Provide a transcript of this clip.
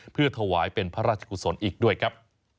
เพื่อถวายเป็นพระราชกุศลอีกด้วยครับ